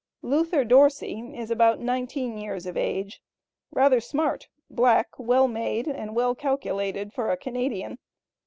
Luther Dorsey is about nineteen years of age, rather smart, black, well made and well calculated for a Canadian.